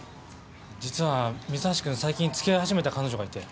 実は三橋くん最近付き合い始めた彼女がいて。